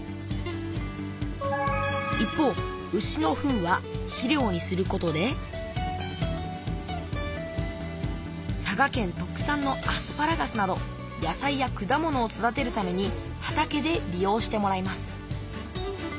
一方牛のふんは肥料にすることで佐賀県特産のアスパラガスなど野菜や果物を育てるために畑で利用してもらいます